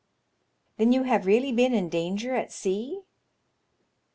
Then you have really been in danger at sea